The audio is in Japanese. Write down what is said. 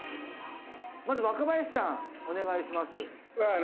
まず若林さんお願いします